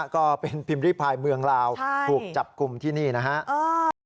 ก็เป็นพิมพ์ริพายเมืองลาวถูกจับกลุ่มที่นี่นะครับ